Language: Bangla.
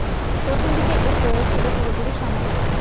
প্রথম দিকে এর প্রয়োগ ছিল পুরোপুরি সামরিক।